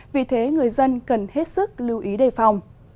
vì thế người dân cần hết sức lưu ý đề phòng